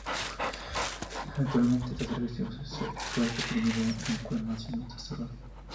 Actualmente este servicio fue suprimido en el cual no ha sido restaurado.